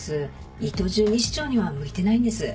胃と十二指腸には向いてないんです。